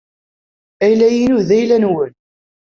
Ayla-inu d ayla-nwent.